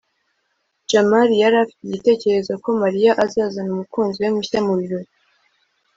jamali yari afite igitekerezo ko mariya azazana umukunzi we mushya mubirori